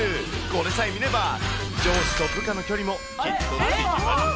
これさえ見れば、上司と部下の距離も、きっと縮まります。